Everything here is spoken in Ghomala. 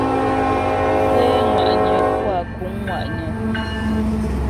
Té ŋwa'nyə puá kǔŋ ŋwa'nyə.